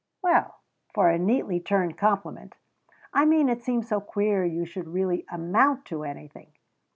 "Well for a neatly turned compliment " "I mean it seems so queer you should really amount to anything."